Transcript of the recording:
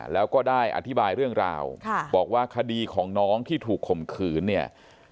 แล้วก็ได้อธิบายเรื่องราวบอกว่าคดีของน้องที่ถูกข่มขืนเนี่ย